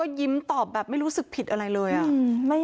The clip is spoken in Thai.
โอ้โฮขนาดนั้นเลยเหรอ